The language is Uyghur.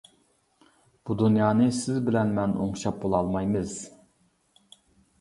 بۇ دۇنيانى سىز بىلەن مەن ئوڭشاپ بولالمايمىز.